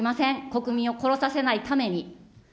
国民を殺させないために。